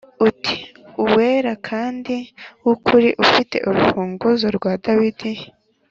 uti “Uwera kandi w’ukuri ufite urufunguzo rwa Dawidi,